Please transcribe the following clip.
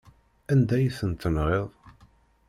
Anda ay tent-tenɣiḍ?